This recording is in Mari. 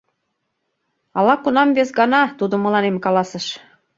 — Ала-кунам вес гана тудо мыланем каласыш.